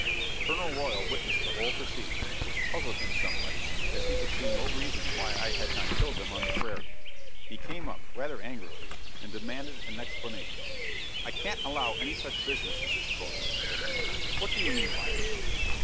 Colonel Royal witnessed the whole proceeding, which puzzled him somewhat, as he could see no reason why I had not killed them on the prairie. He came up, rather angrily, and demanded an explanation. "I can't allow any such business as this, Cody," said he, "what do you mean by it?"